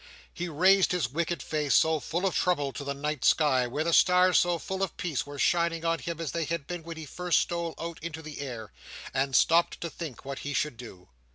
He raised his wicked face so full of trouble, to the night sky, where the stars, so full of peace, were shining on him as they had been when he first stole out into the air; and stopped to think what he should do.